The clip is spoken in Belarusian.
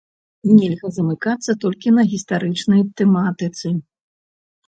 Нельга замыкацца толькі на гістарычнай тэматыцы.